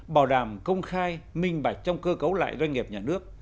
bảo đảm công khai minh bạch trong cơ cấu lại doanh nghiệp nhà nước